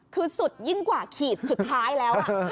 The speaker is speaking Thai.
คือสุดยิ่งกว่าขีดสุดท้ายแล้ว